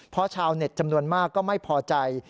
เพราะชาวเน็ตจำนวนมากก็ไม่พอใจ